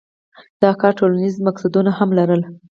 دا کار ټولنیز مقصدونه هم لرل.